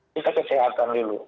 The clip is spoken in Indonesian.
kita kesehatan dulu